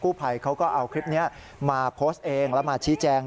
ภัยเขาก็เอาคลิปนี้มาโพสต์เองแล้วมาชี้แจง